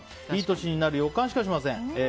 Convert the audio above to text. いい年になる予感しかしません。